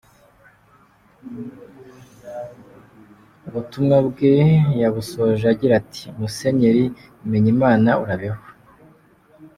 " Ubutumwa bwe yabusoje agira ati " Musenyeri Bimenyimana urabeho.